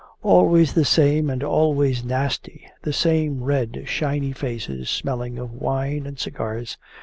'Always the same and always nasty! The same red shiny faces smelling of wine and cigars!